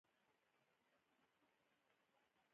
احمده! زړه مه غورځوه؛ هر څه به سم شي.